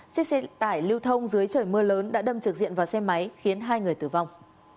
chiếc xe tải lưu thông dưới trời mưa lớn đã đâm trực diện vào xe máy khiến hai người tử vong